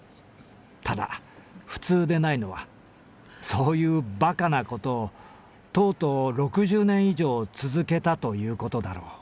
ただ普通でないのはそういうバカなことをとうとう六十年以上つづけたということだろう。